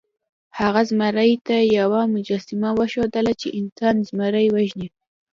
هغه زمري ته یوه مجسمه وښودله چې انسان زمری وژني.